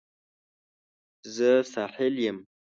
زه ساحل یم